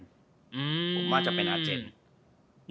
ผมว่าจะเป็นอาเจน